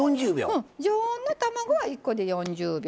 常温の卵は１個で４０秒。